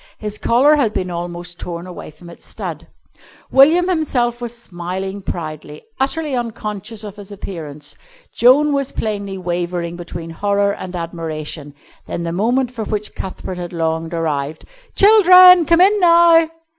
His collar had been almost torn away from its stud. William himself was smiling proudly, utterly unconscious of his appearance. Joan was plainly wavering between horror and admiration. Then the moment for which Cuthbert had longed arrived. "Children! come in now!"